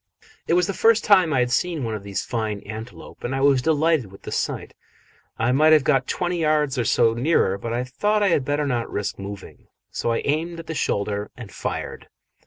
It was the first time I had seen one of these fine antelope, and I was delighted with the sight. I might have got twenty yards or so nearer, but I thought I had better not risk moving, so I aimed at the shoulder and fired.